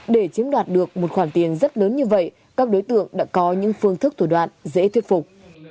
để chiếm đoạt được một khoản tiền rất lớn như vậy các đối tượng đã có những phương thức thủ đoạn dễ thuyết phục